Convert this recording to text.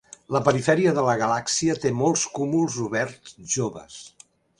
La perifèria de la galàxia té molts cúmuls oberts joves.